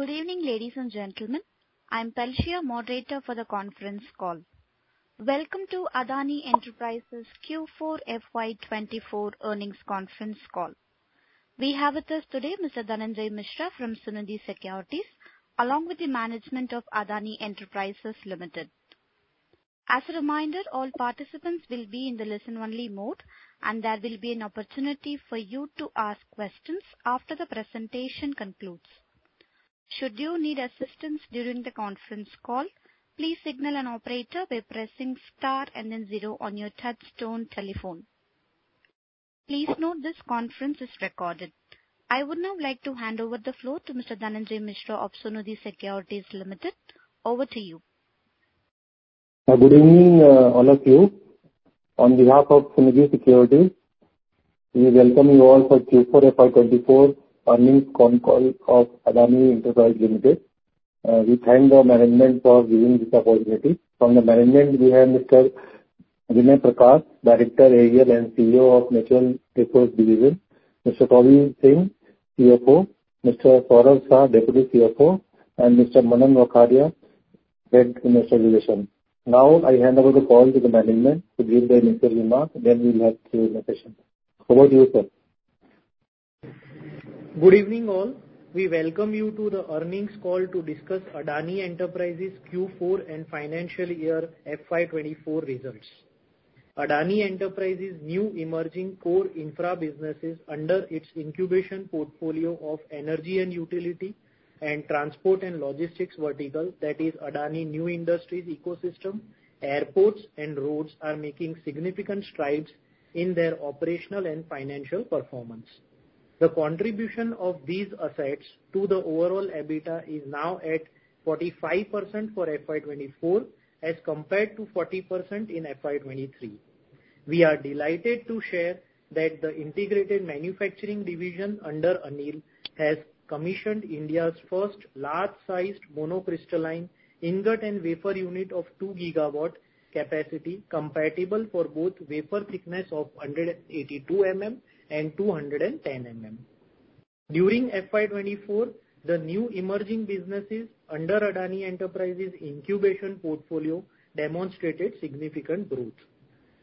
Good evening, ladies and gentlemen. I'm Pelsia, moderator for the conference call. Welcome to Adani Enterprises Q4 FY24 earnings conference call. We have with us today Mr. Dhananjay Mishra from Sunidhi Securities, along with the management of Adani Enterprises Limited. As a reminder, all participants will be in the listen-only mode, and there will be an opportunity for you to ask questions after the presentation concludes. Should you need assistance during the conference call, please signal an operator by pressing Star and then Zero on your touchtone telephone. Please note, this conference is recorded. I would now like to hand over the floor to Mr. Dhananjay Mishra of Sunidhi Securities Limited. Over to you. Good evening, all of you. On behalf of Sunidhi Securities, we welcome you all for Q4 FY 2024 earnings con call of Adani Enterprises Limited. We thank the management for giving this opportunity. From the management, we have Mr. Vinay Prakash, Director, AEL, and CEO of Adani Natural Resources; Mr. Jugeshinder Singh, CFO; Mr. Saurabh Shah, Deputy CFO; and Mr. Manan Vakharia, Head of Investor Relations. Now, I hand over the call to the management to give their initial remarks, and then we'll have Q&A session. Over to you, sir. Good evening, all. We welcome you to the earnings call to discuss Adani Enterprises' Q4 and financial year FY 2024 results. Adani Enterprises' new emerging core infra businesses under its incubation portfolio of energy and utility and transport and logistics vertical, that is Adani New Industries ecosystem, airports and roads, are making significant strides in their operational and financial performance. The contribution of these assets to the overall EBITDA is now at 45% for FY 2024, as compared to 40% in FY 2023. We are delighted to share that the integrated manufacturing division under ANIL has commissioned India's first large-sized monocrystalline ingot and wafer unit of 2 GW capacity, compatible for both wafer thickness of 182 mm and 210 mm. During FY 2024, the new emerging businesses under Adani Enterprises incubation portfolio demonstrated significant growth.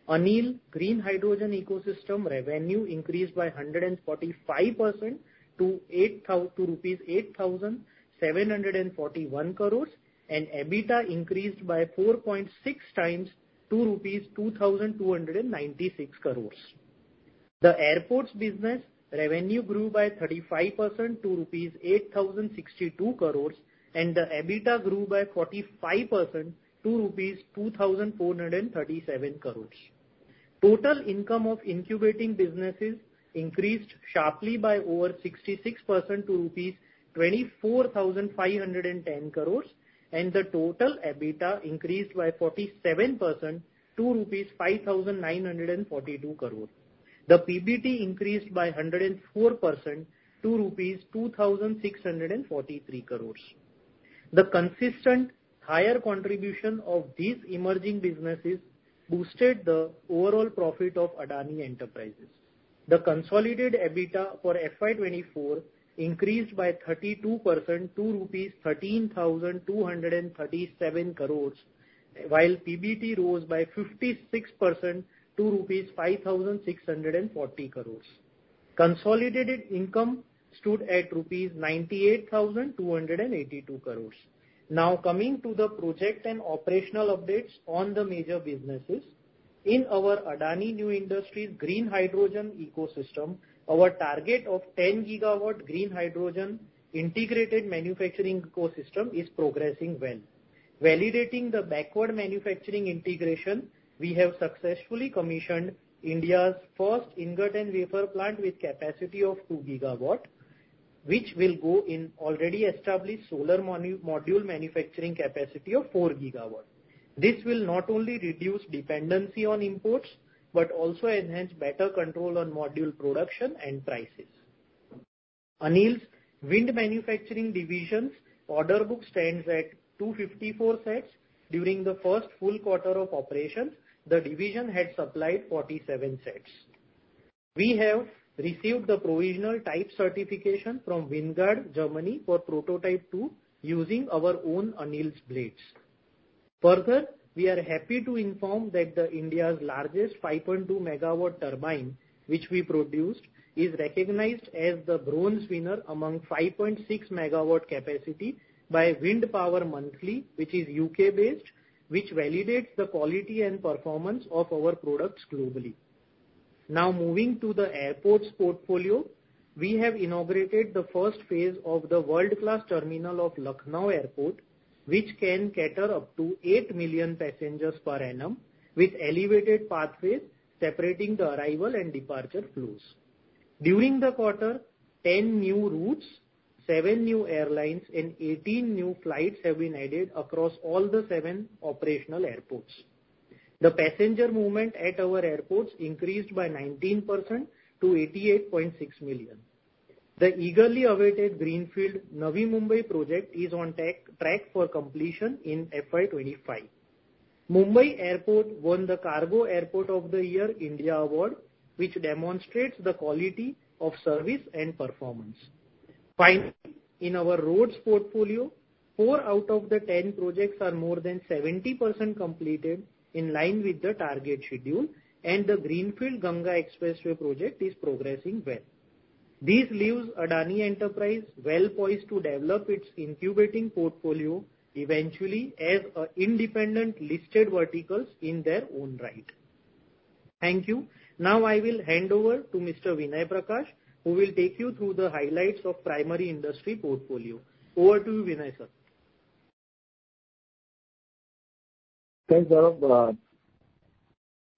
ANIL Green Hydrogen ecosystem revenue increased by 145% to rupees 8,741 crore, and EBITDA increased by 4.6 times to rupees 2,296 crore. The airports business revenue grew by 35% to rupees 8,062 crore, and the EBITDA grew by 45% to rupees 2,437 crore. Total income of incubating businesses increased sharply by over 66% to rupees 24,510 crore, and the total EBITDA increased by 47% to rupees 5,942 crore. The PBT increased by 104% to rupees 2,643 crore. The consistent higher contribution of these emerging businesses boosted the overall profit of Adani Enterprises. The consolidated EBITDA for FY 2024 increased by 32% to rupees 13,237 crore, while PBT rose by 56% to rupees 5,640 crore. Consolidated income stood at rupees 98,282 crore. Now, coming to the project and operational updates on the major businesses. In our Adani New Industries green hydrogen ecosystem, our target of 10 GW green hydrogen integrated manufacturing ecosystem is progressing well. Validating the backward manufacturing integration, we have successfully commissioned India's first ingot and wafer plant with capacity of 2 GW, which will go in already established solar mono-module manufacturing capacity of 4 GW. This will not only reduce dependency on imports, but also enhance better control on module production and prices. ANIL's wind manufacturing division's order book stands at 254 sets. During the first full quarter of operations, the division had supplied 47 sets. We have received the provisional type certification from Deutsche WindGuard for Prototype Two using our own ANIL's blades. Further, we are happy to inform that India's largest 5.2-MW turbine, which we produced, is recognized as the bronze winner among 5.6-MW capacity by Windpower Monthly, which is U.K.-based, which validates the quality and performance of our products globally. Now, moving to the airports portfolio. We have inaugurated the first phase of the world-class terminal of Lucknow Airport, which can cater up to 8 million passengers per annum, with elevated pathways separating the arrival and departure flows. During the quarter, 10 new routes, seven new airlines, and 18 new flights have been added across all the seven operational airports. The passenger movement at our airports increased by 19% to 88.6 million. The eagerly awaited greenfield Navi Mumbai project is on track for completion in FY 2025. Mumbai Airport won the Cargo Airport of the Year India Award, which demonstrates the quality of service and performance. Finally, in our roads portfolio, four out of the 10 projects are more than 70% completed, in line with the target schedule, and the greenfield Ganga Expressway project is progressing well. This leaves Adani Enterprises well poised to develop its incubating portfolio eventually as independent listed verticals in their own right. Thank you. Now I will hand over to Mr. Vinay Prakash, who will take you through the highlights of primary industry portfolio. Over to you, Vinay sir. Thanks, Saurabh.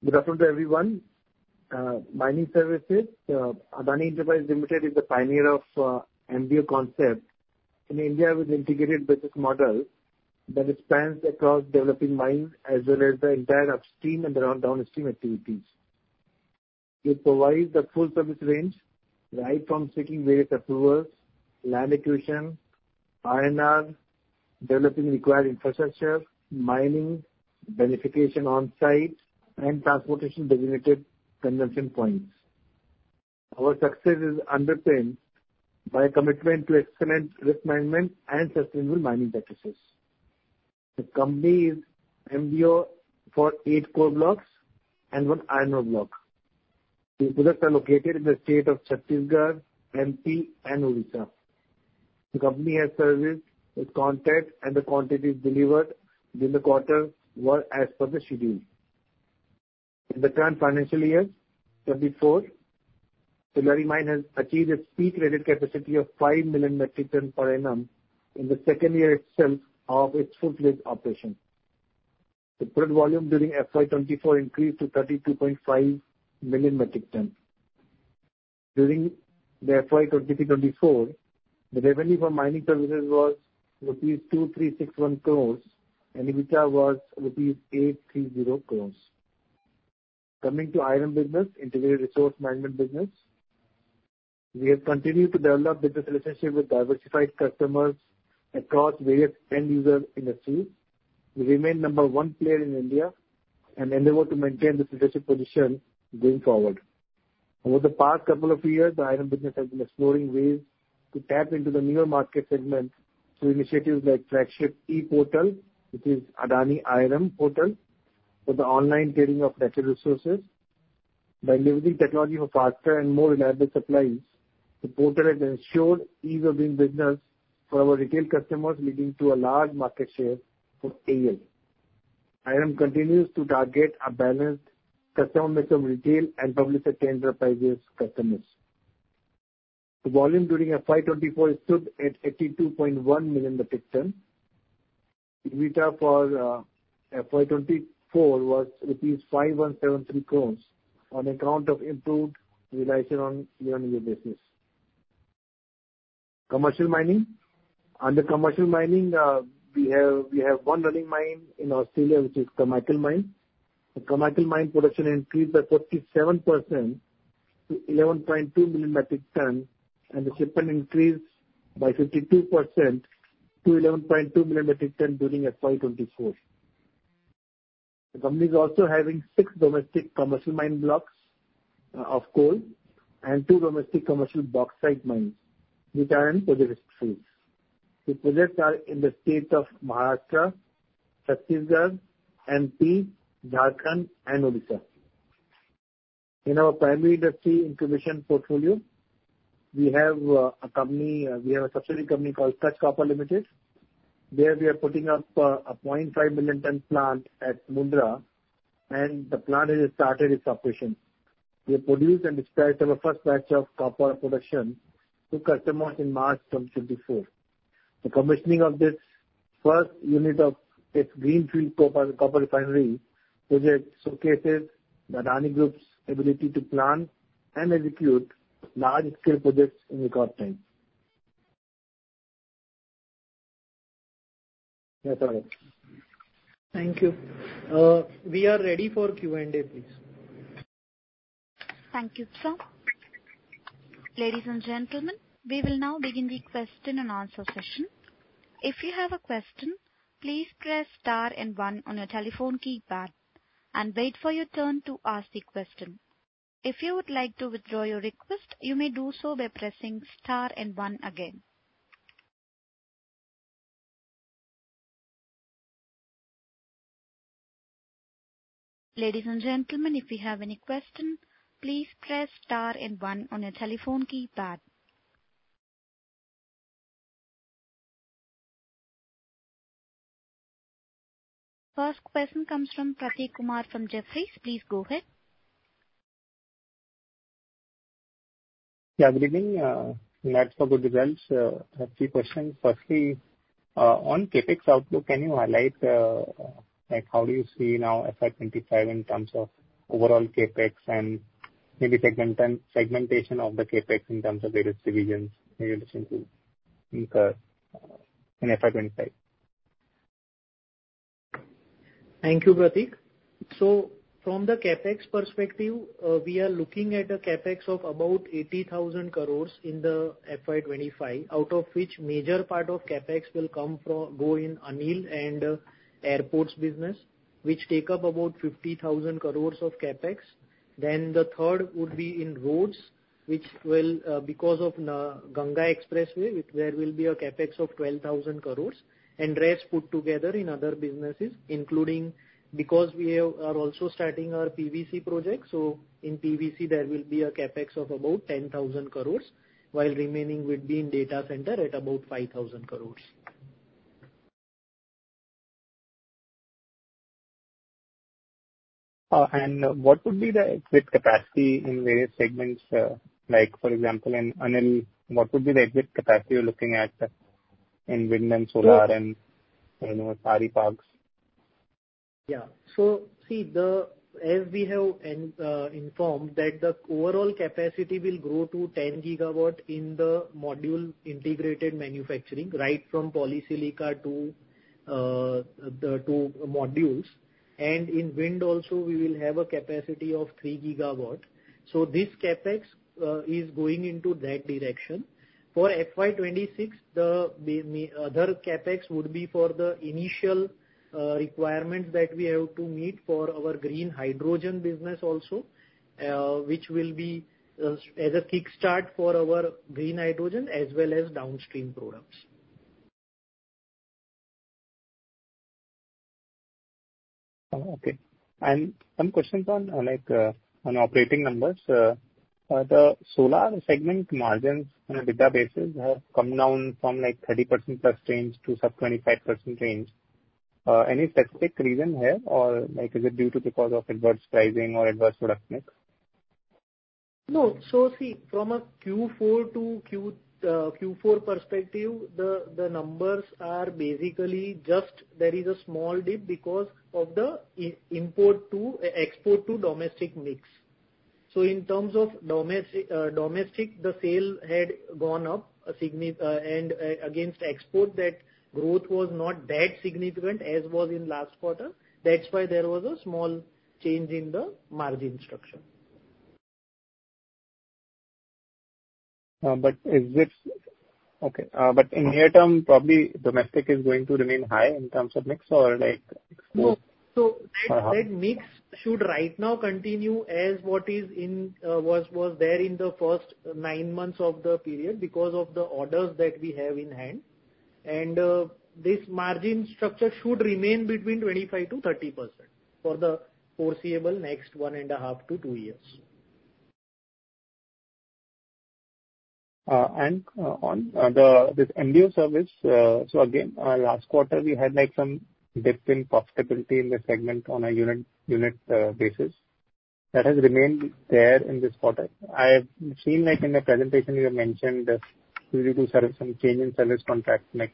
Good afternoon to everyone. Mining services, Adani Enterprises Limited is the pioneer of MDO concept in India, with integrated business model that spans across developing mines as well as the entire upstream and downstream activities. It provides the full service range, right from seeking various approvals, land acquisition, R&R, developing required infrastructure, mining, beneficiation on site, and transportation to designated consumption points. Our success is underpinned by a commitment to excellent risk management and sustainable mining practices. The company is MDO for eight coal blocks and one iron block. These projects are located in the state of Chhattisgarh, MP, and Odisha. The company has serviced the contract, and the quantity delivered during the quarter were as per the schedule. In the current financial year 2024, Suliyari Mine has achieved its peak rated capacity of 5 million metric tons per annum in the second year itself of its full fleet operation. The product volume during FY 2024 increased to 32.5 million metric tons. During the FY 2024, the revenue for mining services was rupees 2,361 crores, and EBITDA was rupees 830 crores. Coming to IRM business, Integrated Resource Management business, we have continued to develop business relationship with diversified customers across various end user industries. We remain number one player in India and endeavor to maintain this leadership position going forward. Over the past couple of years, the IRM business has been exploring ways to tap into the newer market segments through initiatives like flagship e-portal, which is Adani IRM Portal, for the online trading of natural resources. By leveraging technology for faster and more reliable supplies, the portal has ensured ease of doing business for our retail customers, leading to a large market share for AL. IRM continues to target a balanced customer mix of retail and public sector enterprises customers. The volume during FY 2024 stood at 82.1 million metric ton. EBITDA for FY 2024 was rupees 5,173 crores on account of improved realization on the annual business. Commercial mining. Under commercial mining, we have, we have one running mine in Australia, which is Carmichael Mine. The Carmichael Mine production increased by 47% to 11.2 million metric ton, and the shipment increased by 52% to 11.2 million metric ton during FY 2024. The company is also having six domestic commercial mine blocks, of coal and two domestic commercial bauxite mines, which are in progressive phase. The projects are in the state of Maharashtra, Chhattisgarh, MP, Jharkhand, and Odisha. In our primary industry incubation portfolio, we have, a company, we have a subsidiary company called Kutch Copper Limited. There we are putting up, a 0.5 million ton plant at Mundra, and the plant has started its operation. We produced and dispatched our first batch of copper production to customers in March 2024. The commissioning of this first unit of its greenfield copper, copper refinery project showcases the Adani Group's ability to plan and execute large-scale projects in record time. That's all. Thank you. We are ready for Q&A please. Thank you, sir. Ladies and gentlemen, we will now begin the question and answer session. If you have a question, please press star and one on your telephone keypad and wait for your turn to ask the question. If you would like to withdraw your request, you may do so by pressing star and one again. Ladies and gentlemen, if you have any question, please press star and one on your telephone keypad. First question comes from Prateek Kumar, from Jefferies. Please go ahead. Yeah, good evening. Thanks for good results. I have three questions. Firstly, on CapEx outlook, can you highlight, like, how do you see now FY 2025 in terms of overall CapEx and maybe segmentation of the CapEx in terms of various divisions, maybe listen to in the, in FY 2025? Thank you, Prateek. So from the CapEx perspective, we are looking at a CapEx of about 80,000 crore in the FY 2025, out of which major part of CapEx will come from, go in ANIL and airports business, which take up about 50,000 crore of CapEx. Then the third would be in roads, which will, because of, Ganga Expressway, there will be a CapEx of 12,000 crore and rest put together in other businesses, including because we have, are also starting our PVC project. So in PVC, there will be a CapEx of about 10,000 crore, while remaining would be in data center at about 5,000 crore. What would be the exit capacity in various segments, like for example, in ANIL, what would be the exit capacity you're looking at in wind and solar and, you know, battery parks? Yeah. So see, as we have informed that the overall capacity will grow to 10 GW in the module integrated manufacturing, right from polysilicon to the modules. And in wind also we will have a capacity of 3 GW. So this CapEx is going into that direction. For FY 2026, the other CapEx would be for the initial requirements that we have to meet for our green hydrogen business also, which will be as a kickstart for our green hydrogen as well as downstream products. Oh, okay. And some questions on, like, on operating numbers. The solar segment margins on an EBIT basis have come down from like 30%+ range to some 25% range. Any specific reason here, or like, is it due to because of adverse pricing or adverse product mix? No. So see, from a Q4 to Q4 perspective, the numbers are basically just there is a small dip because of the import to export to domestic mix. So in terms of domestic, the sale had gone up, and against export, that growth was not that significant as was in last quarter. That's why there was a small change in the margin structure. But in near term, probably domestic is going to remain high in terms of mix or like export? No. Uh-huh. So that mix should right now continue as what is in, was there in the first nine months of the period because of the orders that we have in hand. And, this margin structure should remain between 25%-30% for the foreseeable next 1.5-2 years. On this MDO service, so again, last quarter we had like some dip in profitability in the segment on a unit basis. That has remained there in this quarter. I have seen, like in the presentation you have mentioned, due to some change in service contract mix.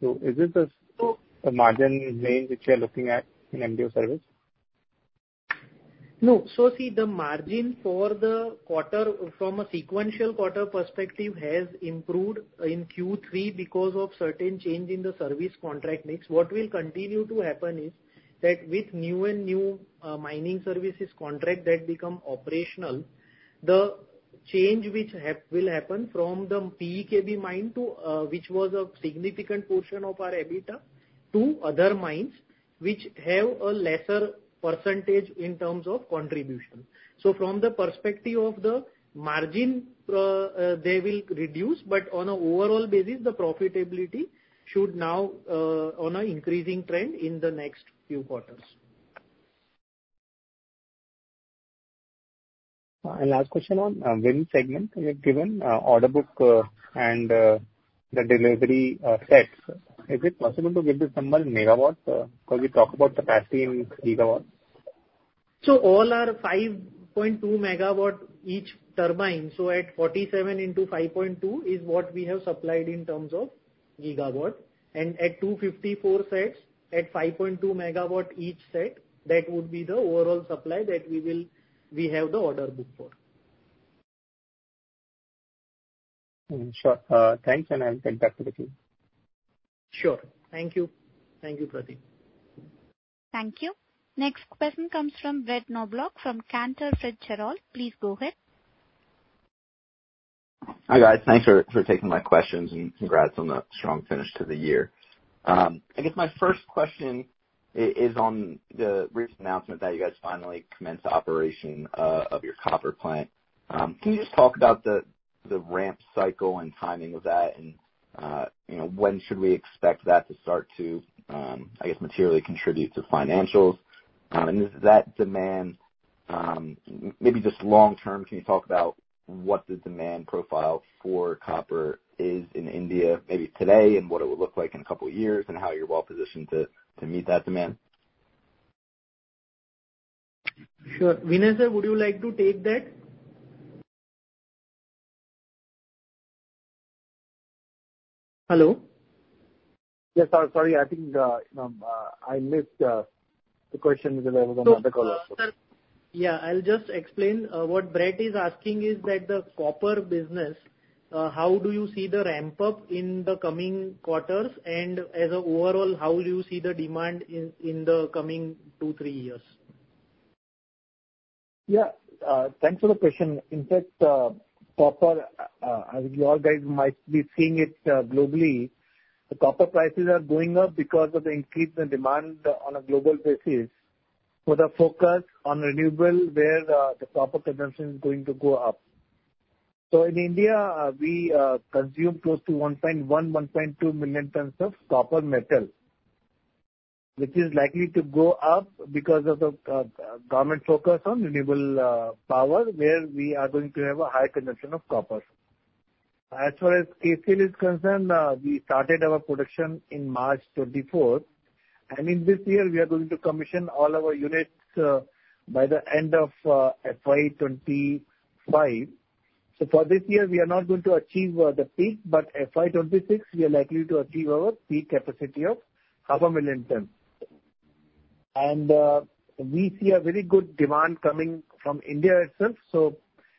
So is this the- So- the margin range which you're looking at in MDO service? No. So see, the margin for the quarter from a sequential quarter perspective has improved in Q3 because of certain change in the service contract mix. What will continue to happen is that with new and new mining services contract that become operational, the change which will happen from the PEKB mine to which was a significant portion of our EBITDA to other mines which have a lesser percentage in terms of contribution. So from the perspective of the margin they will reduce, but on a overall basis the profitability should now on a increasing trend in the next few quarters. And last question on wind segment. You have given order book and the delivery sets. Is it possible to give this number in megawatt because we talk about capacity in gigawatt? So all our 5.2 MW each turbine, so at 47 into 5.2 is what we have supplied in terms of GW. And at 254 sets, at 5.2 MW each set, that would be the overall supply that we will... We have the order book for. Sure. Thanks, and I'll get back to the team. Sure. Thank you. Thank you, Prateek. Thank you. Next question comes from Brett Knoblauch from Cantor Fitzgerald. Please go ahead. Hi, guys. Thanks for taking my questions, and congrats on the strong finish to the year. I guess my first question is on the recent announcement that you guys finally commenced operation of your copper plant. Can you just talk about the ramp cycle and timing of that? And, you know, when should we expect that to start to materially contribute to financials? And does that demand... maybe just long term, can you talk about what the demand profile for copper is in India, maybe today, and what it will look like in a couple of years, and how you're well positioned to meet that demand? Sure. Vinay, sir, would you like to take that? Hello? Yes, sorry, I think I missed the question because I was on the call. Yeah, I'll just explain. What Brett is asking is that the copper business, how do you see the ramp up in the coming quarters? And as a overall, how will you see the demand in the coming two, three years? Yeah. Thanks for the question. In fact, copper, as you all guys might be seeing it, globally, the copper prices are going up because of the increase in demand on a global basis, with a focus on renewable, where the copper consumption is going to go up. So in India, we consume close to 1.1-1.2 million tons of copper metal, which is likely to go up because of the government focus on renewable power, where we are going to have a high consumption of copper. As far as KCL is concerned, we started our production in March 2024, and in this year we are going to commission all our units by the end of FY 2025. So for this year, we are not going to achieve the peak, but FY 2026, we are likely to achieve our peak capacity of 500,000 tons. And we see a very good demand coming from India itself. So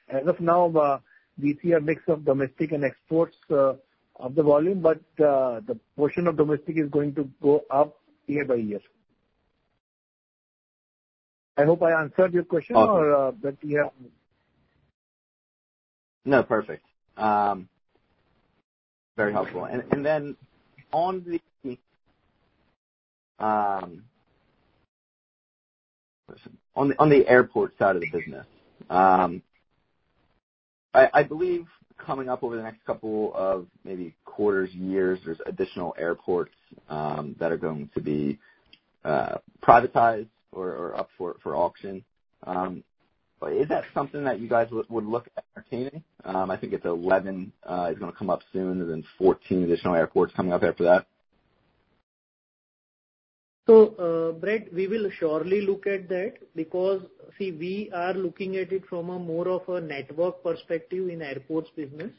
as of now, we see a mix of domestic and exports of the volume, but the portion of domestic is going to go up year by year. I hope I answered your question or, Brett, yeah. No, perfect. Very helpful. And then on the airport side of the business, I believe coming up over the next couple of maybe quarters, years, there's additional airports that are going to be privatized or up for auction. But is that something that you guys would look at entertaining? I think it's 11 is gonna come up soon, and then 14 additional airports coming up after that. So, Brett, we will surely look at that, because, see, we are looking at it from a more of a network perspective in airports business.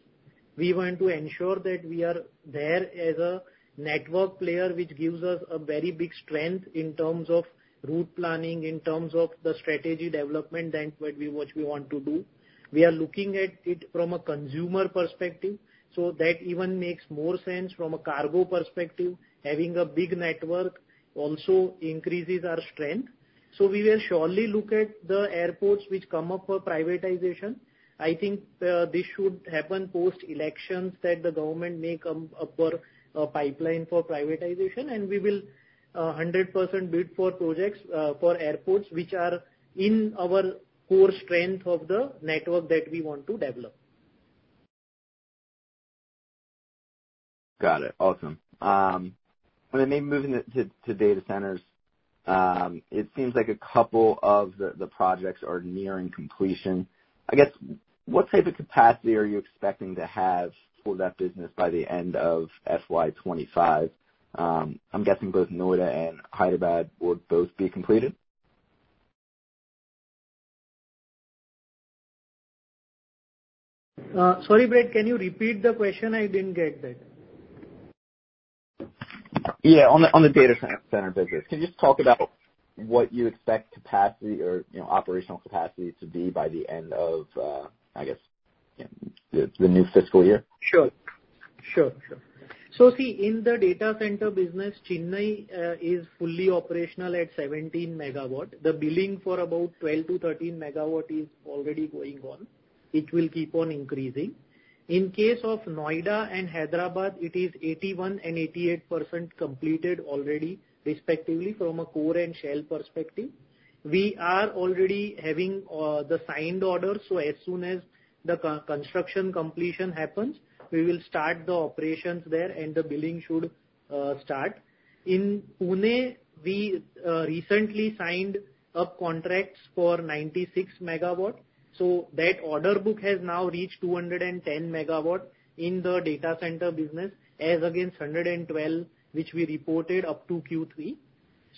We want to ensure that we are there as a network player, which gives us a very big strength in terms of route planning, in terms of the strategy development and what we, what we want to do. We are looking at it from a consumer perspective, so that even makes more sense from a cargo perspective. Having a big network also increases our strength. So we will surely look at the airports which come up for privatization. I think, this should happen post-elections, that the government may come up with a pipeline for privatization, and we will, 100% bid for projects, for airports, which are in our core strength of the network that we want to develop. Got it. Awesome. And then maybe moving it to data centers. It seems like a couple of the projects are nearing completion. I guess, what type of capacity are you expecting to have for that business by the end of FY 2025? I'm guessing both Noida and Hyderabad would both be completed. Sorry, Brett, can you repeat the question? I didn't get that. Yeah. On the data center business, can you just talk about what you expect capacity or, you know, operational capacity to be by the end of, I guess, the new fiscal year? Sure. Sure, sure. So see, in the data center business, Chennai is fully operational at 17 MW. The billing for about 12-13 MW is already going on, it will keep on increasing. In case of Noida and Hyderabad, it is 81% and 88% completed already, respectively, from a core and shell perspective. We are already having the signed order, so as soon as the core construction completion happens, we will start the operations there and the billing should start. In Pune, we recently signed up contracts for 96 MW, so that order book has now reached 210 MW in the data center business, as against 112, which we reported up to Q3.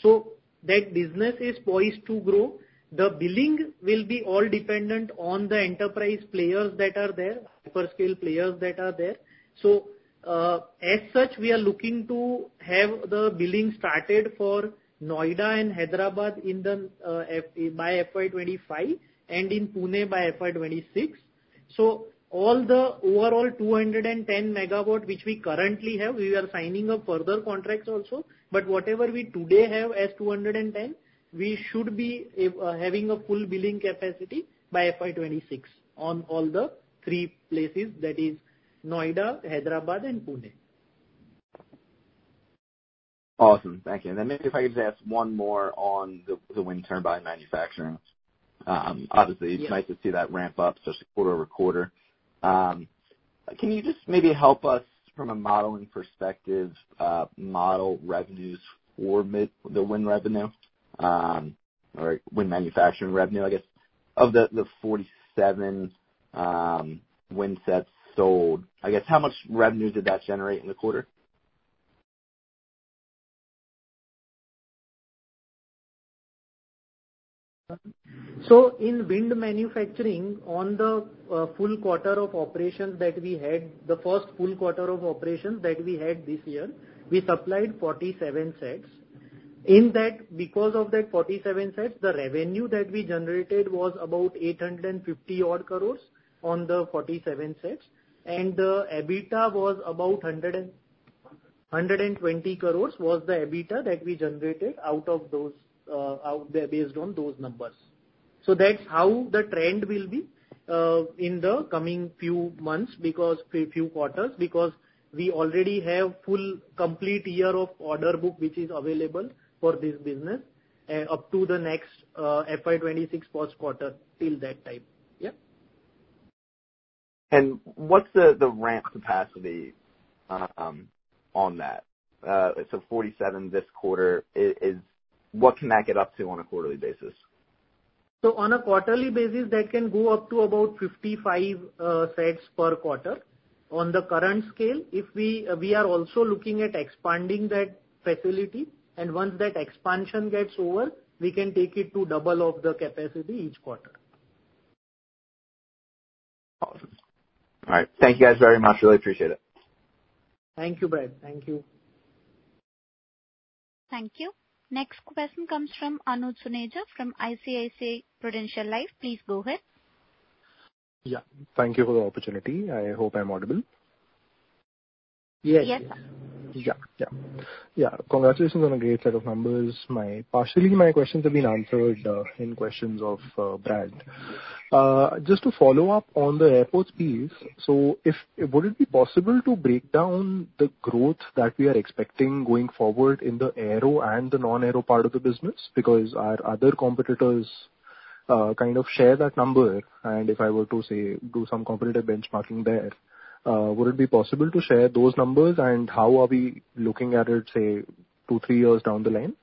So that business is poised to grow. The billing will be all dependent on the enterprise players that are there, hyperscale players that are there. So, as such, we are looking to have the billing started for Noida and Hyderabad in FY 2025, and in Pune by FY26. So all the overall 210 MW, which we currently have, we are signing up further contracts also, but whatever we today have as 210, we should be having a full billing capacity by FY26 on all the three places, that is Noida, Hyderabad and Pune. Awesome. Thank you. And then maybe if I could just ask one more on the wind turbine manufacturing. Obviously- Yeah. It's nice to see that ramp up just quarter-over-quarter. Can you just maybe help us from a modeling perspective, model revenues for the wind revenue, or wind manufacturing revenue, I guess, of the 47 wind sets sold. I guess, how much revenue did that generate in the quarter? So in wind manufacturing, on the full quarter of operations that we had, the first full quarter of operations that we had this year, we supplied 47 sets. In that, because of that 47 sets, the revenue that we generated was about 850 odd crores on the 47 sets, and the EBITDA was about 120 crores was the EBITDA that we generated out of those out there based on those numbers. So that's how the trend will be in the coming few months, few quarters, because we already have full complete year of order book, which is available for this business up to the next FY 2026 first quarter till that time. Yeah. What's the ramp capacity on that? So 47 this quarter, is what can that get up to on a quarterly basis? On a quarterly basis, that can go up to about 55 sets per quarter. On the current scale, if we are also looking at expanding that facility, and once that expansion gets over, we can take it to double of the capacity each quarter. Awesome. All right. Thank you guys very much. Really appreciate it. Thank you, Brett. Thank you. Thank you. Next question comes from Anuj Suneja, from ICICI Prudential Life. Please go ahead. Yeah. Thank you for the opportunity. I hope I'm audible. Yes. Yes, sir. Yeah. Yeah. Yeah, congratulations on a great set of numbers. My, partially my questions have been answered in questions of Brett. Just to follow up on the airport piece, so if would it be possible to break down the growth that we are expecting going forward in the aero and the non-aero part of the business? Because our other competitors kind of share that number, and if I were to say do some competitive benchmarking there, would it be possible to share those numbers, and how are we looking at it, say, 2-3 years down the line?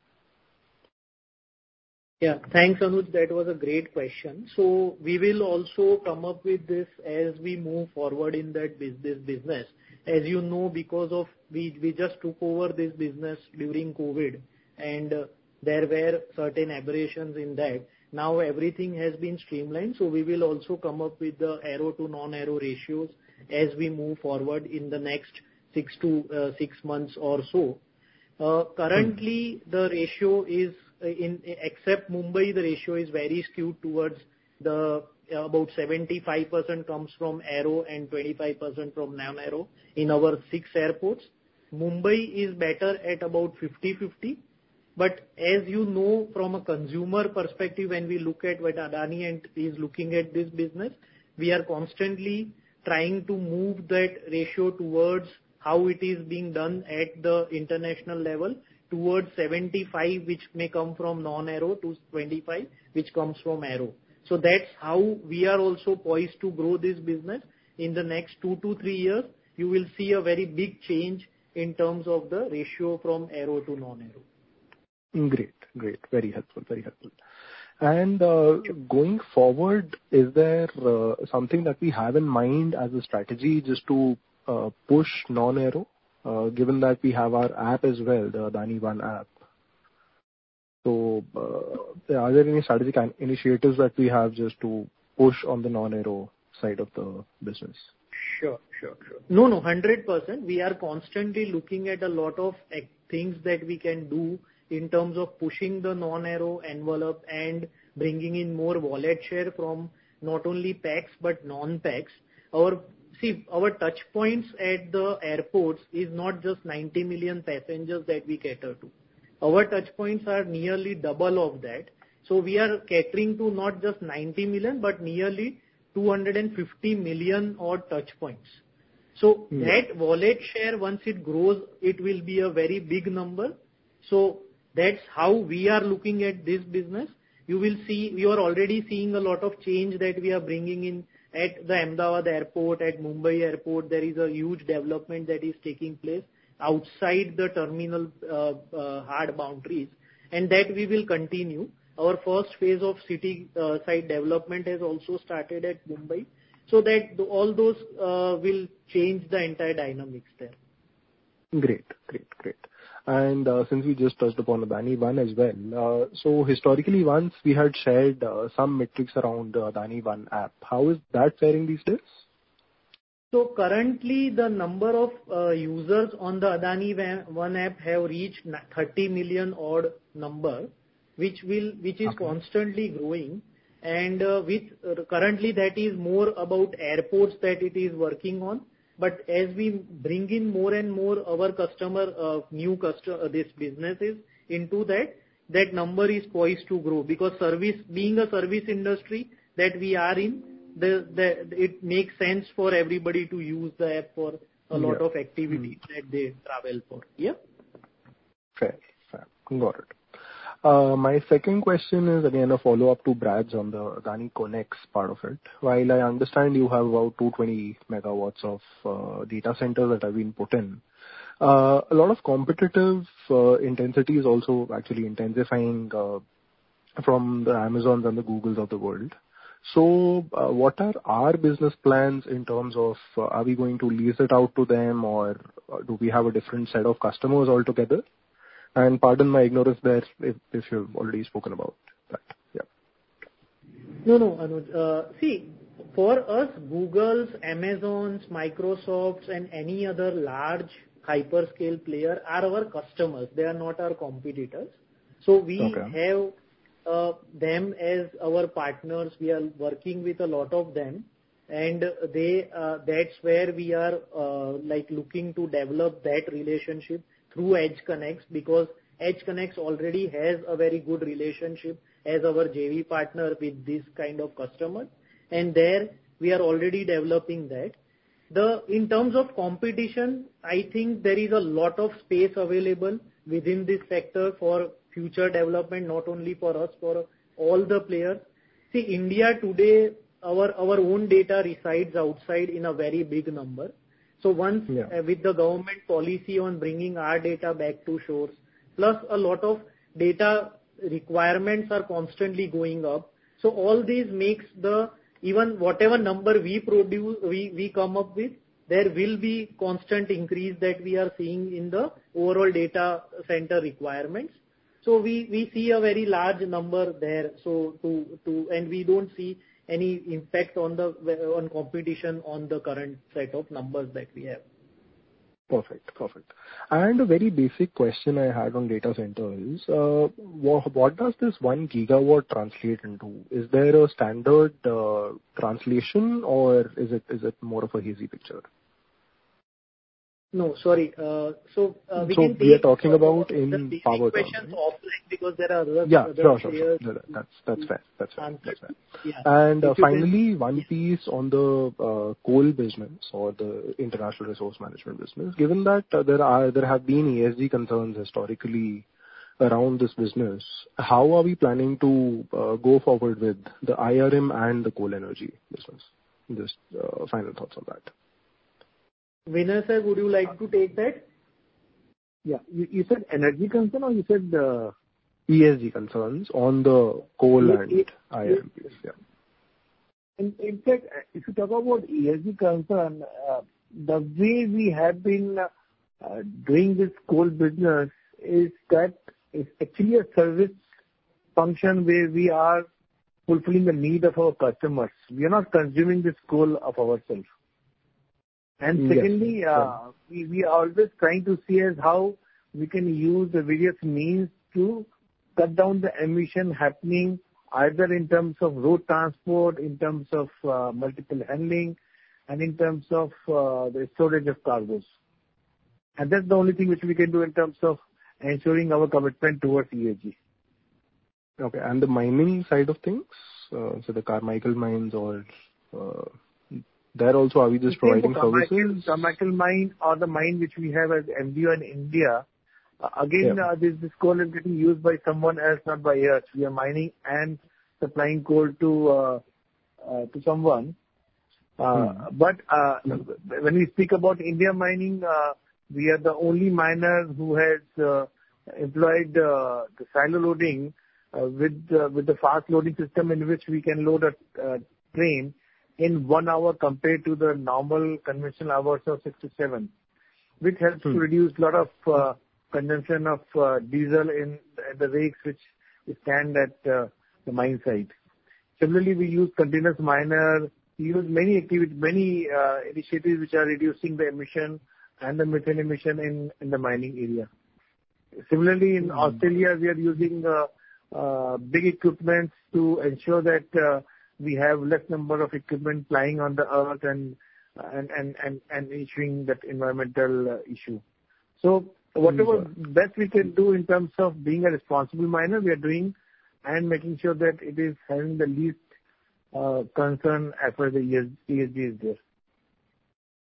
Yeah. Thanks, Anuj. That was a great question. So we will also come up with this as we move forward in that—this business. As you know, because we just took over this business during COVID, and there were certain aberrations in that. Now everything has been streamlined, so we will also come up with the aero to non-aero ratios as we move forward in the next six to six months or so. Currently, the ratio is, except Mumbai, very skewed towards the—about 75% comes from aero and 25% from non-aero in our six airports. Mumbai is better at about 50/50, but as you know from a consumer perspective, when we look at what Adani is looking at this business, we are constantly trying to move that ratio towards how it is being done at the international level, towards 75, which may come from non-aero to 25, which comes from aero. So that's how we are also poised to grow this business. In the next 2 to 3 years, you will see a very big change in terms of the ratio from aero to non-aero. Great. Great. Very helpful, very helpful. And, going forward, is there something that we have in mind as a strategy just to push non-aero, given that we have our app as well, the Adani One app? So, are there any strategic initiatives that we have just to push on the non-aero side of the business? Sure, sure, sure. No, no, 100%. We are constantly looking at a lot of things that we can do in terms of pushing the non-aero envelope and bringing in more wallet share from not only PAX, but non-PAX. Our... See, our touch points at the airports is not just 90 million passengers that we cater to. Our touch points are nearly double of that. So we are catering to not just 90 million, but nearly 250 million odd touch points. Mm. So that wallet share, once it grows, it will be a very big number. So that's how we are looking at this business. You will see, we are already seeing a lot of change that we are bringing in at the Ahmedabad airport, at Mumbai airport. There is a huge development that is taking place outside the terminal, hard boundaries, and that we will continue. Our first phase of city site development has also started at Mumbai, so that all those will change the entire dynamics there. Great. Great, great. And since we just touched upon Adani One as well, so historically, once we had shared some metrics around the Adani One app, how is that faring these days? So currently, the number of users on the Adani One app have reached 30 million odd number, which will- Okay. - which is constantly growing, and, with, currently, that is more about airports that it is working on. But as we bring in more and more our customer, new customer, this businesses into that, that number is poised to grow. Because service, being a service industry that we are in, the, it makes sense for everybody to use the app for- Yeah a lot of activities that they travel for. Yeah? Fair. Fair. Got it. My second question is, again, a follow-up to Brett's on the AdaniConneX part of it. While I understand you have about 220 MW of data centers that have been put in, a lot of competitive intensity is also actually intensifying from the Amazons and the Googles of the world. So, what are our business plans in terms of, are we going to lease it out to them, or do we have a different set of customers altogether? And pardon my ignorance there if, if you've already spoken about that. Yeah.... No, no, Anuj. See, for us, Googles, Amazons, Microsofts, and any other large hyperscale player are our customers, they are not our competitors. Okay. So we have them as our partners. We are working with a lot of them, and they, that's where we are, like, looking to develop that relationship through EdgeConneX, because EdgeConneX already has a very good relationship as our JV partner with this kind of customer. And there, we are already developing that. In terms of competition, I think there is a lot of space available within this sector for future development, not only for us, for all the players. See, India today, our own data resides outside in a very big number. Yeah. So once with the government policy on bringing our data back to shores, plus a lot of data requirements are constantly going up. So all this makes the... even whatever number we produce, we come up with, there will be constant increase that we are seeing in the overall data center requirements. So we see a very large number there, so too. And we don't see any impact on the competition on the current set of numbers that we have. Perfect. Perfect. And a very basic question I had on data center is, what does this 1 GW translate into? Is there a standard translation, or is it more of a hazy picture? No, sorry. So, we can take- So we are talking about in power terms. The basic questions offline, because there are other- Yeah, sure, sure. -areas. No, no, that's, that's fair. That's fair. And, yeah. Finally, one piece on the coal business or the international resource management business. Given that there are, there have been ESG concerns historically around this business, how are we planning to go forward with the IRM and the coal energy business? Just final thoughts on that. Vinay, sir, would you like to take that? Yeah. You said energy concern or you said, ESG concerns on the coal and IRM. ESG. Yes, yeah. In fact, if you talk about ESG concern, the way we have been doing this coal business is that it's actually a service function where we are fulfilling the need of our customers. We are not consuming this coal of ourselves. Yes. Secondly, we are always trying to see as how we can use the various means to cut down the emission happening, either in terms of road transport, in terms of multiple handling, and in terms of the storage of cargoes. And that's the only thing which we can do in terms of ensuring our commitment towards ESG. Okay. And the mining side of things, so the Carmichael Mine or, there also, are we just providing services? The Carmichael, Carmichael Mine or the mine which we have as MDO in India Yeah. Again, this coal is getting used by someone else, not by us. We are mining and supplying coal to someone. Mm-hmm. But when we speak about India mining, we are the only miner who has employed the silo loading with the fast loading system, in which we can load a train in one hour, compared to the normal conventional hours of six to seven. Mm-hmm. Which helps to reduce a lot of consumption of diesel in the rakes which stand at the mine site. Similarly, we use continuous miner. We use many activity, many initiatives which are reducing the emission and the methane emission in the mining area. Similarly, in Australia, we are using big equipments to ensure that we have less number of equipment plying on the earth and ensuring that environmental issue. Mm-hmm. So whatever best we can do in terms of being a responsible miner, we are doing, and making sure that it is having the least concern as far as the ESG is there.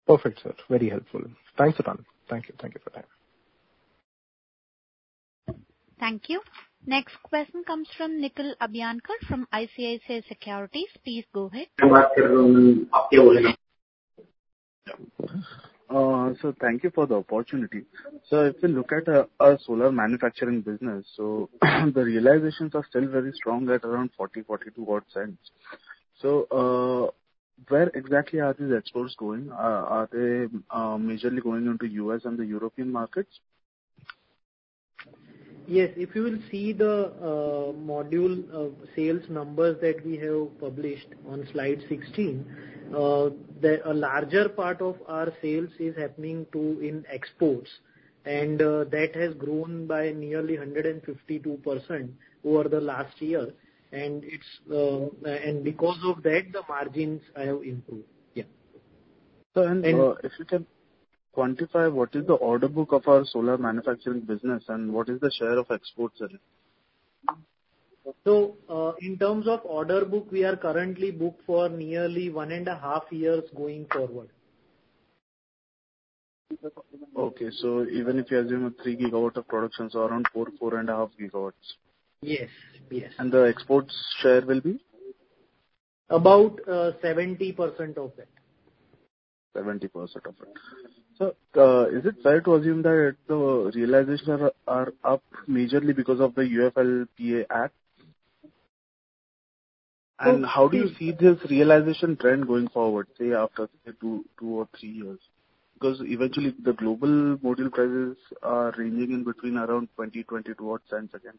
Perfect, sir. Very helpful. Thanks a ton. Thank you. Thank you for that. Thank you. Next question comes from Nikhil Abhyankar from ICICI Securities. Please go ahead. So thank you for the opportunity. So if you look at our solar manufacturing business, so the realizations are still very strong at around $0.40-$0.42 per watt. So where exactly are these exports going? Are they majorly going into the U.S. and the European markets? Yes. If you will see the module sales numbers that we have published on slide 16, a larger part of our sales is happening in exports. And that has grown by nearly 152% over the last year, and it's... And because of that, the margins have improved. Yeah. If you can quantify what is the order book of our solar manufacturing business and what is the share of exports in it? In terms of order book, we are currently booked for nearly one and a half years going forward. Okay. So even if you assume a 3 GW of productions, around 4-4.5 GW? Yes. Yes. The exports share will be? About 70% of it. 70% of it. So, is it fair to assume that the realization are up majorly because of the UFLPA Act? And how do you see this realization trend going forward, say, after two or three years?... because eventually the global module prices are ranging in between around $0.20-$0.22 per watt again.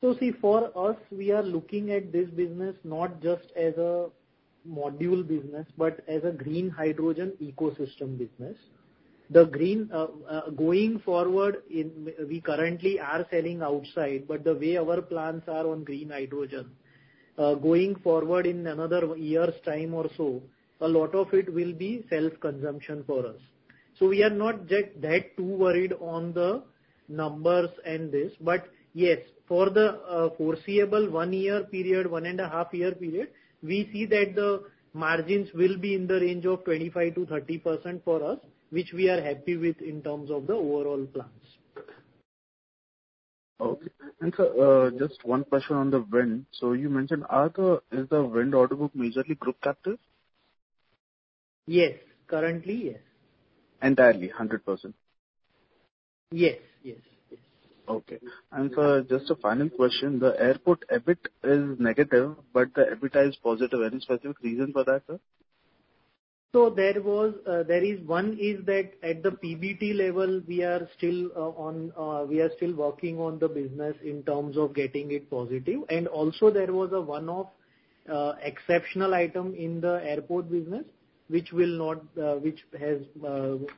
So see, for us, we are looking at this business not just as a module business, but as a Green Hydrogen ecosystem business. The green, going forward in, we currently are selling outside, but the way our plants are on Green Hydrogen, going forward in another year's time or so, a lot of it will be self-consumption for us. So we are not just that too worried on the numbers and this, but yes, for the, foreseeable one-year period, one and a half year period, we see that the margins will be in the range of 25%-30% for us, which we are happy with in terms of the overall plans. Okay. And, sir, just one question on the wind. So you mentioned, are the, is the wind order book majorly group captive? Yes. Currently, yes. Entirely, 100%? Yes, yes, yes. Okay. And, sir, just a final question: the airport EBIT is negative, but the EBITDA is positive. Any specific reason for that, sir? So there was, there is one is that at the PBT level, we are still working on the business in terms of getting it positive. And also there was a one-off exceptional item in the airport business, which has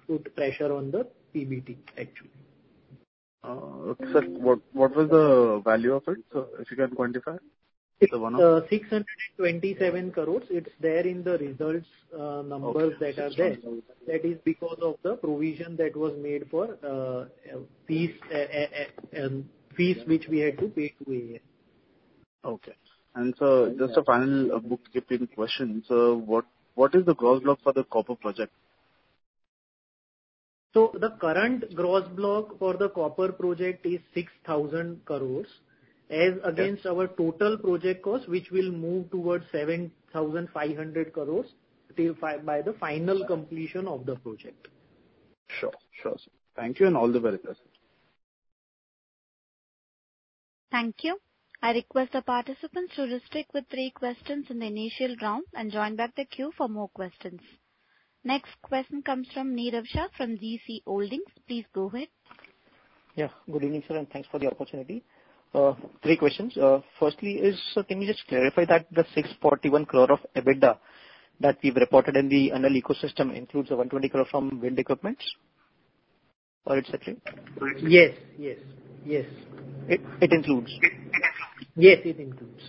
put pressure on the PBT, actually. Sir, what was the value of it, sir, if you can quantify? The one-off. It's 627 crore. It's there in the results, numbers that are there. Okay, 627. That is because of the provision that was made for fees which we had to pay to AAI. Okay. And sir, just a final bookkeeping question. Sir, what, what is the gross block for the copper project? The current gross block for the copper project is 6,000 crore, as against our total project cost, which will move towards 7,500 crore by the final completion of the project. Sure. Sure, sir. Thank you, and all the best. Thank you. I request the participants to stick with three questions in the initial round and join back the queue for more questions. Next question comes from Nirav Shah from GeeCee Holdings. Please go ahead. Yeah, good evening, sir, and thanks for the opportunity. Three questions. Firstly is, so can you just clarify that the 641 crore of EBITDA that we've reported in the annual ecosystem includes the 120 crore from wind equipments or et cetera? Yes, yes, yes. It includes? Yes, it includes.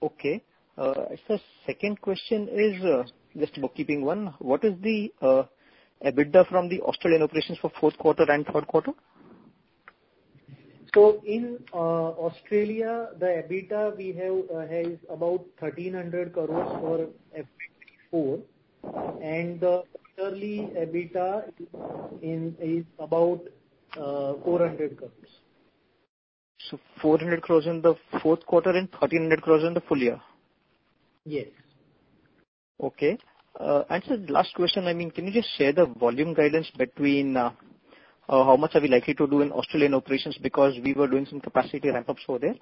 Okay, sir, second question is just a bookkeeping one. What is the EBITDA from the Australian operations for fourth quarter and third quarter? In Australia, the EBITDA we have has about 1,300 crore for FY 2024, and the quarterly EBITDA in is about 400 crore. 400 crore in the fourth quarter and 1,300 crore in the full year? Yes. Okay, and sir, last question, I mean, can you just share the volume guidance between how much are we likely to do in Australian operations? Because we were doing some capacity ramp-ups over there,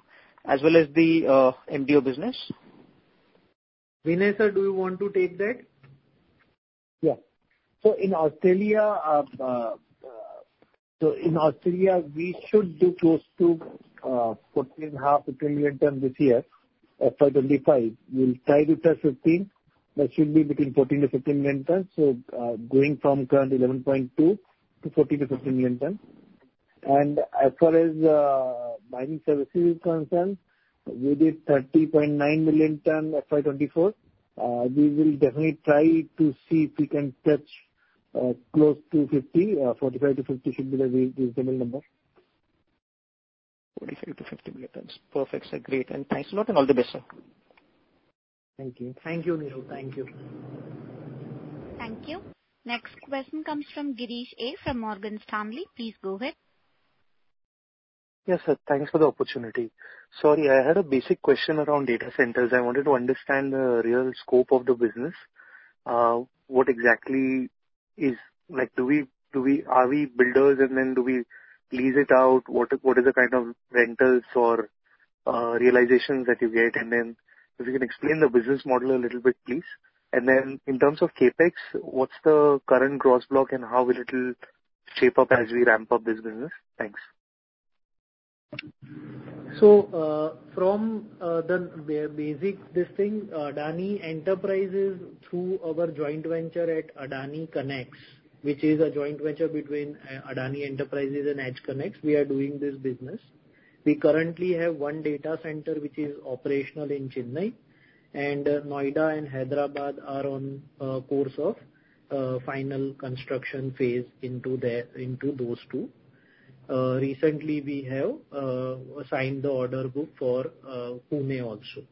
as well as the MDO business. Vinay, sir, do you want to take that? Yeah. So in Australia, we should be close to 14.5-15 million tons this year, FY 2025. We'll try to touch 15. That should be between 14-15 million tons. So going from current 11.2 to 14-15 million tons. And as far as mining services is concerned, we did 30.9 million ton FY 2024. We will definitely try to see if we can touch close to 50. Forty-five to 50 should be the minimal number. 45-50 million tons. Perfect, sir. Great, and thanks a lot, and all the best, sir. Thank you. Thank you, Nirav. Thank you. Thank you. Next question comes from Girish A from Morgan Stanley. Please go ahead. Yes, sir, thanks for the opportunity. Sorry, I had a basic question around data centers. I wanted to understand the real scope of the business. What exactly is... Like, do we are we builders, and then do we lease it out? What is the kind of rentals or realizations that you get? And then if you can explain the business model a little bit, please. And then in terms of CapEx, what's the current gross block, and how will it shape up as we ramp up this business? Thanks. So, from the basic distinction, Adani Enterprises, through our joint venture at AdaniConneX, which is a joint venture between Adani Enterprises and EdgeConneX, we are doing this business. We currently have 1 data center, which is operational in Chennai, and Noida and Hyderabad are on course of final construction phase into those two. Recently we have signed the order book for Pune also.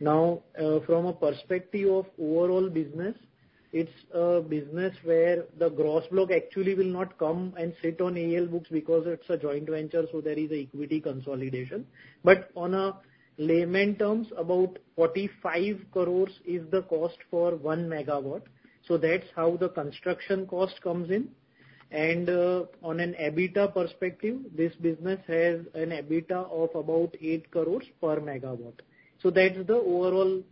Now, from a perspective of overall business, it is a business where the gross block actually will not come and sit on AEL books because it is a joint venture, so there is an equity consolidation. But on layman's terms, about 45 crore is the cost for 1 MW, so that is how the construction cost comes in. And, on an EBITDA perspective, this business has an EBITDA of about 8 crore per MW. So that's the overall,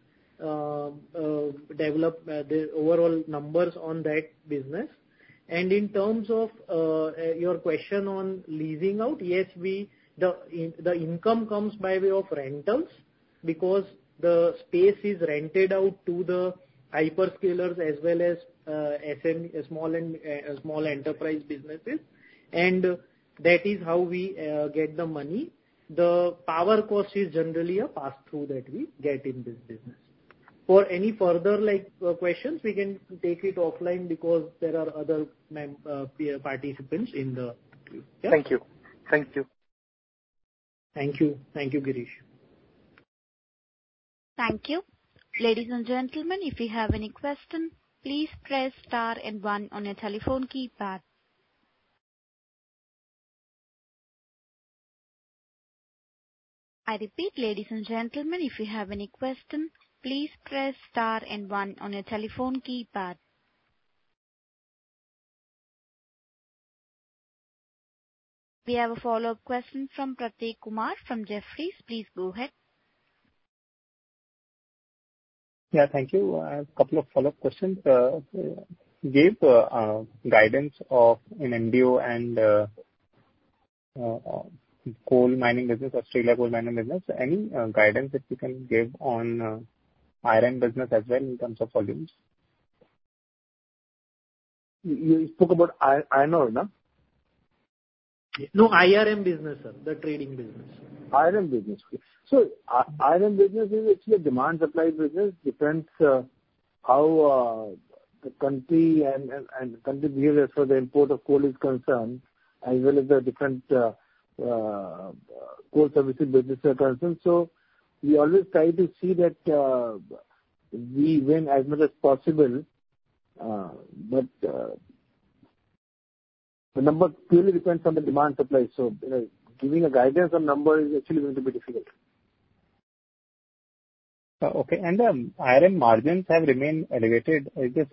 the overall numbers on that business. And in terms of your question on leasing out, yes, the income comes by way of rentals, because the space is rented out to the hyperscalers as well as SM, small and small enterprise businesses. And that is how we get the money. The power cost is generally a pass-through that we get in this business. For any further, like, questions, we can take it offline because there are other members, peers, participants in the queue. Yeah? Thank you. Thank you. Thank you. Thank you, Girish. Thank you. Ladies and gentlemen, if you have any question, please press star and one on your telephone keypad. I repeat, ladies and gentlemen, if you have any question, please press star and one on your telephone keypad. We have a follow-up question from Prateek Kumar from Jefferies. Please go ahead. Yeah, thank you. A couple of follow-up questions. You gave guidance of an MDO and coal mining business, Australia coal mining business. Any guidance that you can give on iron business as well in terms of volumes? You spoke about iron ore, no? No, IRM business, sir, the trading business. IRM business. So IRM business is actually a demand-supply business, depends how the country and country behaviors for the import of coal is concerned, as well as the different coal service business are concerned. So we always try to see that we win as much as possible. But the number clearly depends on the demand supply. So, you know, giving a guidance on number is actually going to be difficult. Okay, and the IRM margins have remained elevated. Is this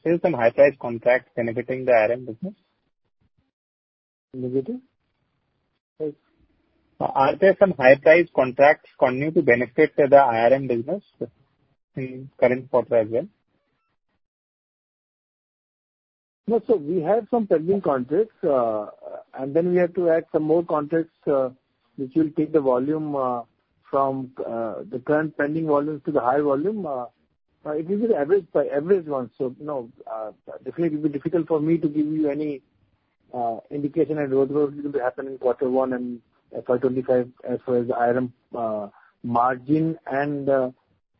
still some high price contracts benefiting the IRM business? Benefiting? Are there some high price contracts continue to benefit the IRM business in current quarter as well? No, so we have some pending contracts, and then we have to add some more contracts, which will take the volume from the current pending volumes to the high volume. It will be average, by average one, so no, definitely it will be difficult for me to give you any indication as those things will be happening in quarter one and FY 2025, as far as IRM margin and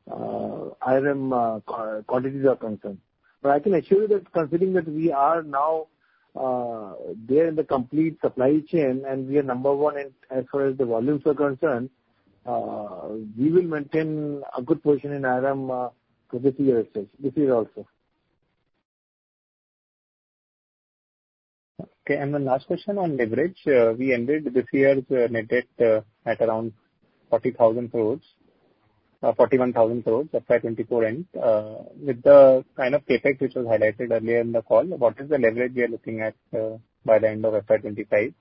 IRM quantities are concerned. But I can assure you that considering that we are now there in the complete supply chain, and we are number one in as far as the volumes are concerned, we will maintain a good position in IRM for this year itself, this year also. Okay, and the last question on leverage. We ended this year's net debt at around 40,000 crore, 41,000 crore, FY 2024 end. With the kind of CapEx, which was highlighted earlier in the call, what is the leverage we are looking at by the end of FY 2025?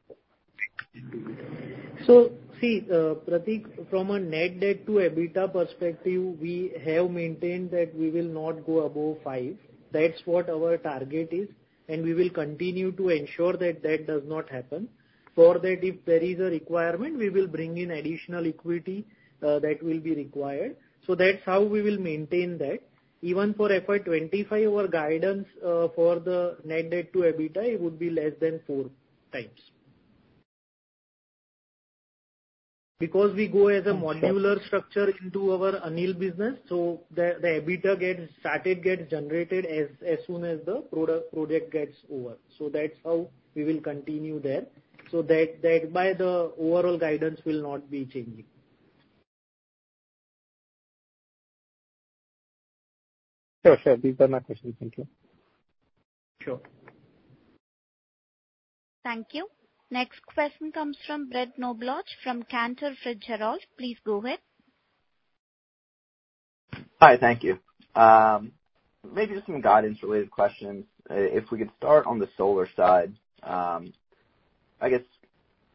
So see, Prateek, from a net debt to EBITDA perspective, we have maintained that we will not go above 5x. That's what our target is, and we will continue to ensure that that does not happen. For that, if there is a requirement, we will bring in additional equity that will be required. So that's how we will maintain that. Even for FY 2025, our guidance for the net debt to EBITDA, it would be less than 4x. Because we go as a modular structure into our Anil business, so the EBITDA gets started, gets generated as soon as the project gets over. So that's how we will continue there. So that by the overall guidance will not be changing. Sure, sure. These are my questions. Thank you. Sure. Thank you. Next question comes from Brett Knoblauch, from Cantor Fitzgerald. Please go ahead. Hi, thank you. Maybe just some guidance-related questions. If we could start on the solar side. I guess,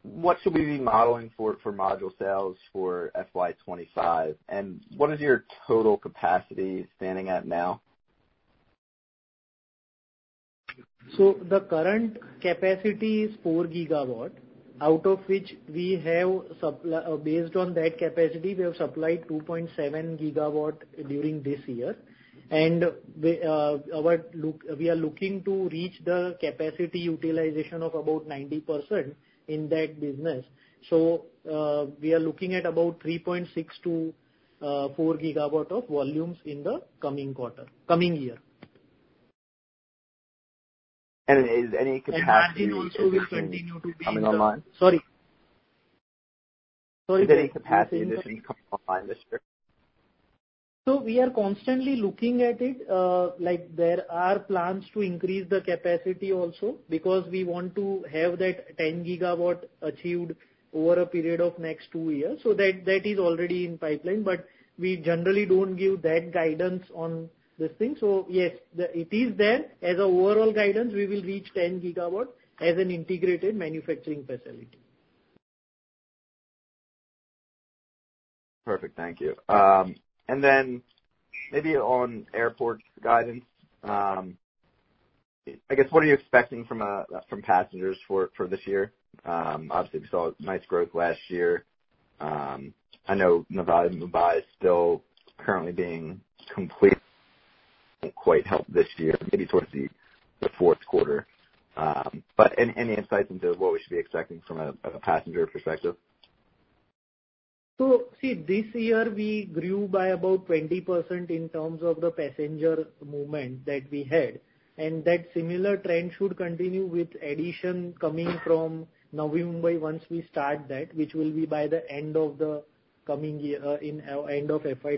what should we be modeling for, for module sales for FY 2025, and what is your total capacity standing at now? The current capacity is 4 GW, out of which we have supply... Based on that capacity, we have supplied 2.7 GW during this year, and we are looking to reach the capacity utilization of about 90% in that business. So, we are looking at about 3.6-4 GW of volumes in the coming quarter, coming year. And is any capacity- And that also will continue to be- Coming online? Sorry. Sorry- Any capacity additions coming online this year? We are constantly looking at it. Like, there are plans to increase the capacity also, because we want to have that 10 GW achieved over a period of next 2 years. So that is already in pipeline, but we generally don't give that guidance on this thing. So yes, it is there. As an overall guidance, we will reach 10 GW as an integrated manufacturing facility. Perfect. Thank you. And then maybe on airport guidance, I guess, what are you expecting from, from passengers for, for this year? Obviously, we saw nice growth last year. I know Navi Mumbai is still currently being complete, won't quite help this year, maybe towards the, the fourth quarter. But any, any insights into what we should be expecting from a, a passenger perspective? So see, this year we grew by about 20% in terms of the passenger movement that we had, and that similar trend should continue with addition coming from Navi Mumbai once we start that, which will be by the end of the coming year, in end of FY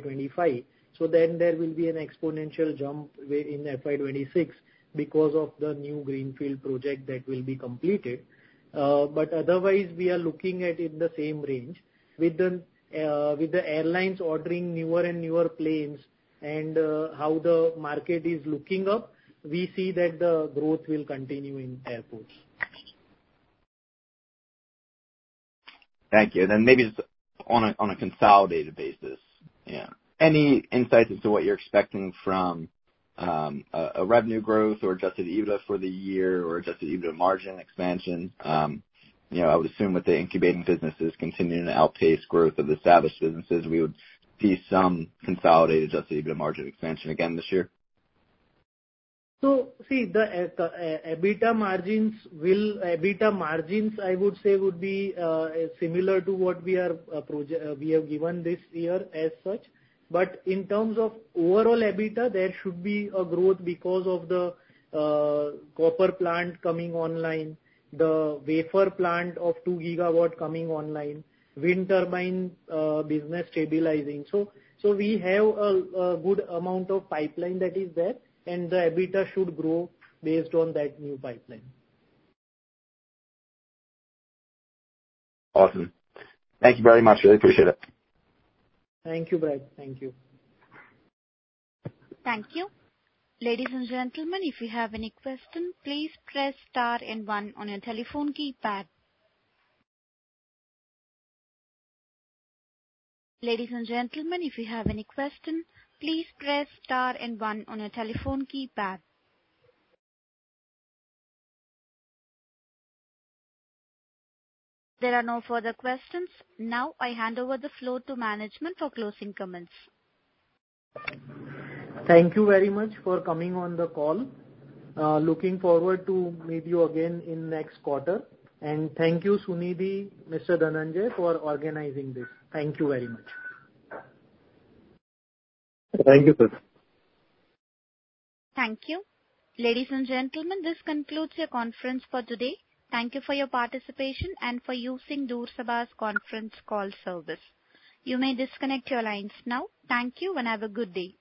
2025. Then there will be an exponential jump where in FY 2026 because of the new greenfield project that will be completed. But otherwise we are looking at it in the same range. With the, with the airlines ordering newer and newer planes and, how the market is looking up, we see that the growth will continue in airports. Thank you. Then maybe just on a consolidated basis. Yeah. Any insights as to what you're expecting from a revenue growth or adjusted EBITDA for the year or adjusted EBITDA margin expansion? You know, I would assume with the incubating businesses continuing to outpace growth of established businesses, we would see some consolidated adjusted EBITDA margin expansion again this year. See, the EBITDA margins will... EBITDA margins, I would say, would be similar to what we are projecting this year as such. But in terms of overall EBITDA, there should be a growth because of the copper plant coming online, the wafer plant of 2 GW coming online, wind turbine business stabilizing. So we have a good amount of pipeline that is there, and the EBITDA should grow based on that new pipeline. Awesome. Thank you very much. Really appreciate it. Thank you, Brett. Thank you. Thank you. Ladies and gentlemen, if you have any question, please press star and one on your telephone keypad. Ladies and gentlemen, if you have any question, please press star and one on your telephone keypad. There are no further questions. Now I hand over the floor to management for closing comments. Thank you very much for coming on the call. Looking forward to meet you again in next quarter. Thank you, Sunidhi, Mr. Dhananjay, for organizing this. Thank you very much. Thank you, sir. Thank you. Ladies and gentlemen, this concludes your conference for today. Thank you for your participation and for using Sunidhi's conference call service. You may disconnect your lines now. Thank you, and have a good day.